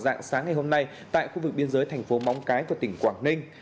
dạng sáng ngày hôm nay tại khu vực biên giới thành phố móng cái của tỉnh quảng ninh